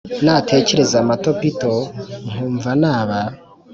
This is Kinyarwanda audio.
natecyereza amatopito nkumva naba